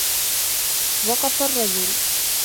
وَقَفَ الرَّجُلُ.